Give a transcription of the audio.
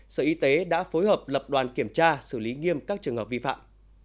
sở y tế đã phối hợp lập đoàn kiểm tra xử lý nghiêm các trường hợp vi phạm